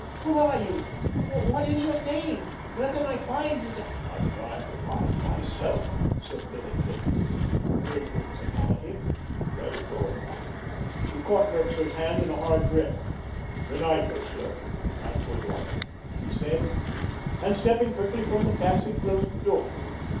Who are you? What is your name? Where can I find you to——" "I'm trying to find—myself," said Billy Kane, with grim whimsicality. "Let it go at that!" He caught Merxler's hand in a hard grip. "Good night, Merxler—and good luck!" he said, and stepping quickly from the taxi, closed the door.